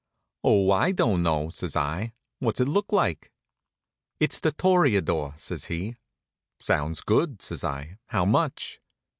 "Oh, I don't know," says I. "What's it look like?" "It's The Toreador," says he. "Sounds good," says I. "How much?"